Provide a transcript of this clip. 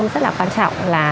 rất là quan trọng là